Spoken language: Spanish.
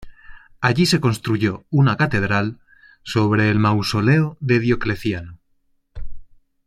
Allí se construyó una catedral sobre el Mausoleo de Diocleciano.